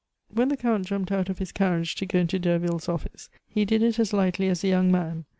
When the Count jumped out of his carriage to go into Derville's office, he did it as lightly as a young man.